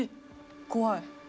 怖い。